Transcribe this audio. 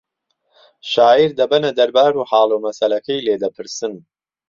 شاعیر دەبەنە دەربار و حاڵ و مەسەلەکەی لێ دەپرسن